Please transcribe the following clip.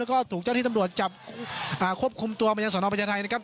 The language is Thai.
แล้วก็ถูกเจ้าที่ตำรวจจับควบคุมตัวมายังสนประชาไทยนะครับ